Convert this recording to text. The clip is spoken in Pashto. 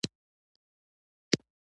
زه دلته له څو ګړیو را هیسې انتظار کومه.